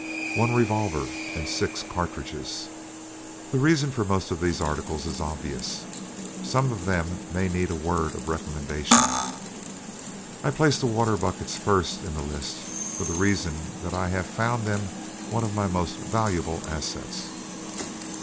One revolver and six cartridges. The reason for most of these articles is obvious. Some of them may need a word of recommendation. I place the water buckets first in the list for the reason that I have found them one of my most valuable assets.